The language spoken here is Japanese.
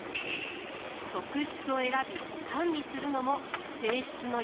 側室を選び管理するのも正室の役目。